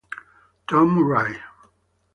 Tom Murray